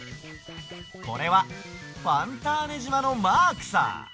これはファンターネじまのマークさ！